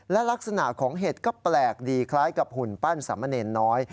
และลักษณะของเห็ดก็แปลกดีคล้ายกับหุ่นปั้นสามเณรน้อย